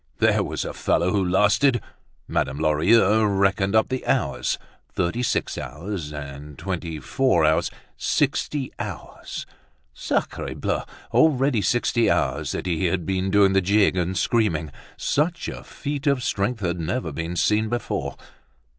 There was a fellow who lasted! Madame Lorilleux reckoned up the hours; thirty six hours and twenty four hours, sixty hours. Sacre Dieu! already sixty hours that he had been doing the jig and screaming! Such a feat of strength had never been seen before.